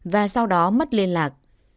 và sau đó mất liên lạc